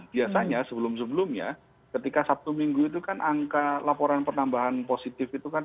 biasanya sebelum sebelumnya ketika sabtu minggu itu kan angka laporan penambahan positif itu kan